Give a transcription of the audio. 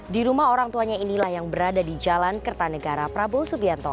di rumah orang tuanya inilah yang berada di jalan kertanegara prabowo subianto